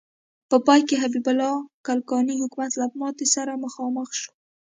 په پای کې حبیب الله کلکاني حکومت له ماتې سره مخامخ شو.